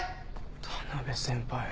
田辺先輩。